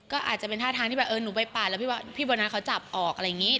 ก็อาจจะเป็นท่าทางที่แบบเออหนูไปปาดแล้วพี่โบนัสเขาจับออกอะไรอย่างนี้